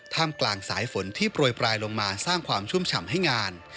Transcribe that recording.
กลางสายฝนที่โปรยปลายลงมาสร้างความชุ่มฉ่ำให้งาน